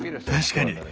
確かに！